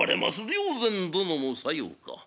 「良然殿もさようか。